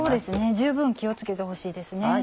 十分気を付けてほしいですね。